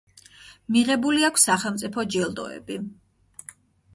მიღებული აქვს სახელწიფო ჯილდოები.